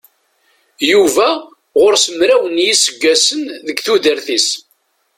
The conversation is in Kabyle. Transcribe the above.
Yuba ɣur-s mraw n yiseggasen deg tudert-is.